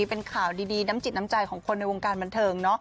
เป็นข่าวดีน้ำจิตน้ำใจของคนในวงการบันเทิงเนอะ